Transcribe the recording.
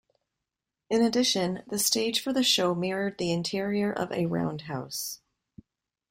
In addition, the stage for the show mirrored the interior of a roundhouse.